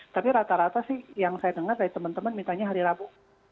tapi rata rata sih yang saya dengar dari teman teman mintanya hari rabu